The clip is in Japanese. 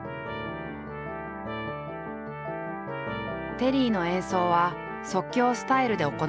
テリーの演奏は即興スタイルで行われる。